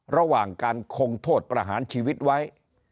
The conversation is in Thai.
ระหว่างการคงโทษประหารชีวิตไว้